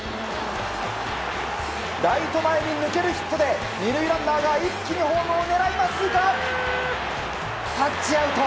ライト前に抜けるヒットで２塁ランナーが一気にホームを狙いますがタッチアウト。